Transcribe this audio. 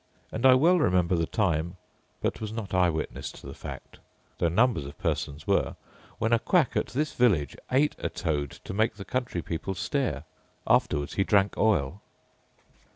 And I well remember the time, but was not eye witness to the fact (though numbers of persons were), when a quack, at this village, ate a toad to make the country people stare; afterwards he drank oil.